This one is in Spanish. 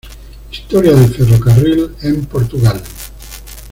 Historia del ferrocarril en Portugal